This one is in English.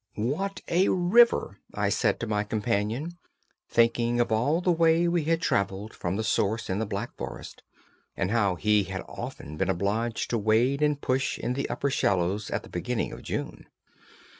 "What a river!" I said to my companion, thinking of all the way we had traveled from the source in the Black Forest, and how he had often been obliged to wade and push in the upper shallows at the beginning of June.